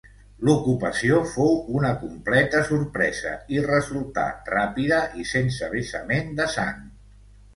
L'ocupació fou una completa sorpresa i resultà ràpida i sense vessament de sang.